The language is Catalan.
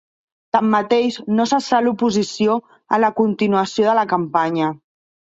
Tanmateix no cessà l'oposició a la continuació de la campanya.